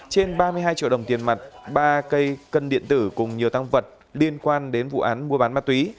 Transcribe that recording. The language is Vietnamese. trên ba mươi hai triệu đồng tiền mặt ba cây cân điện tử cùng nhiều tăng vật liên quan đến vụ án mua bán ma túy